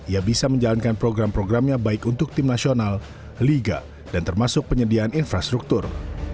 ia bisa menjalankan program programnya baik untuk tim nasional liga dan termasuk penyediaan infrastruktur